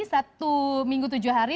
satu minggu tujuh hari